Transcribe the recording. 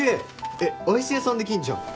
えっアイス屋さんできんじゃん。